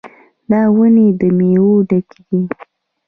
دا ونې د میوو ډکې دي.